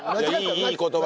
いい言葉。